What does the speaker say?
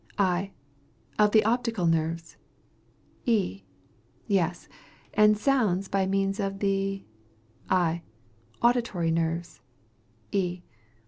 I. Of the optical nerves. E. Yes; and sounds by means of the I. Auditory nerves. _E.